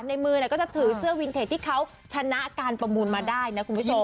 ในมือก็จะถือเสื้อวินเทจที่เขาชนะการประมูลมาได้นะคุณผู้ชม